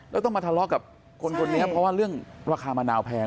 แล้วต้องมาทะเลาะกับคนคนนี้เพราะว่าเรื่องราคามะนาวแพง